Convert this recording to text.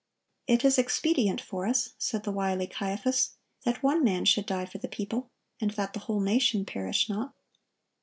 "It is expedient for us," said the wily Caiaphas, "that one man should die for the people, and that the whole nation perish not."